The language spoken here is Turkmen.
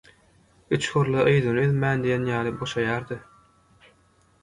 Üç hyrly yzyny üzmän diýen ýaly boşaýardy.